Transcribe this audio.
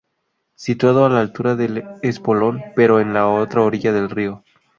Situado a la altura del Espolón, pero en la otra orilla del río.